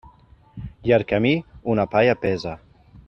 Llarg camí, una palla pesa.